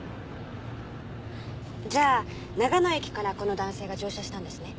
じゃあ長野駅からこの男性が乗車したんですね？